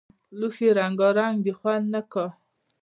لوښي رنګونک دي خوند نۀ که